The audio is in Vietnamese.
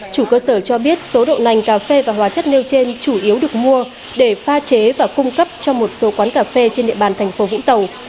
chủ cơ sở cho biết số đậu nành cà phê và hóa chất nêu trên chủ yếu được mua để pha chế và cung cấp cho một số quán cà phê trên địa bàn thành phố vũng tàu